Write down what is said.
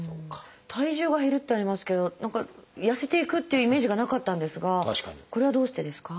「体重が減る」ってありますけど何か痩せていくっていうイメージがなかったんですがこれはどうしてですか？